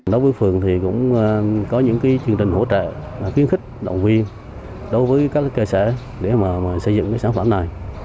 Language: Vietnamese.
đối với phường thì cũng có những chương trình hỗ trợ khuyến khích động viên đối với các cơ sở để xây dựng sản phẩm này